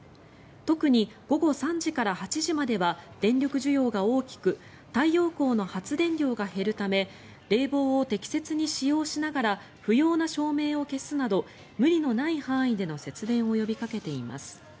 特に午後３時から８時までは電力需要が大きく太陽光の発電量が減るため冷房を適切に使用しながら不要な照明を消すなど無理のない範囲での節電を呼びかけています。